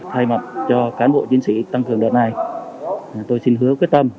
thay mặt cho cán bộ chiến sĩ tăng cường đợt này tôi xin hứa quyết tâm